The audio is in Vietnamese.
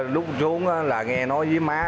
lúc xuống là nghe nói với má